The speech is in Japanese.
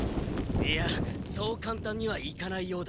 いやそうかんたんにはいかないようだ。